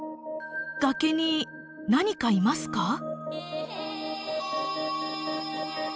崖に何かいますか？